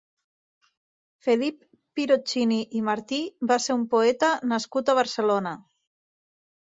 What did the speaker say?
Felip Pirozzini i Martí va ser un poeta nascut a Barcelona.